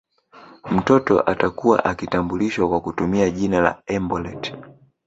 Mtoto atakuwa akitambulishwa kwa kutumia jina la embolet